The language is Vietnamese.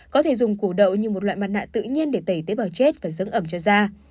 có thể dùng củ đậu như một loại mặt nạ tự nhiên để tẩy tế bào chết và dưỡng ẩm cho da